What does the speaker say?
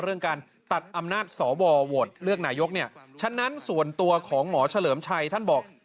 เรื่องการตัดอำนาจสวโหวตเลือกนายกเนี่ยฉะนั้นส่วนตัวของหมอเฉลิมชัยท่านบอก